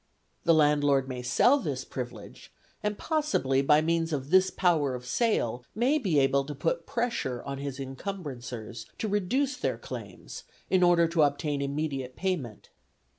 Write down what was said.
The landlord may sell this privilege, and possibly by means of this power of sale may be able to put pressure on his encumbrancers to reduce their claims in order to obtain immediate payment.